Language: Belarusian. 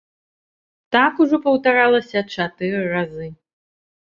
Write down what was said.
Так ужо паўтаралася чатыры разы.